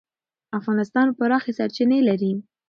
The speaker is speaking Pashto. افغانستان پراخې سرچینې لري.